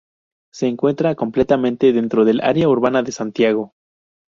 Se encuentra completamente dentro del área urbana de Santiago.